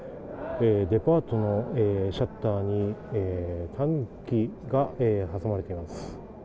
デパートのシャッターにタヌキが挟まれています。